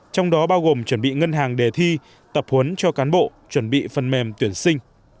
trong đó bao gồm chuẩn bị ngân hàng đề thi tập huấn cho cán bộ chuẩn bị phần mềm tuyển sinh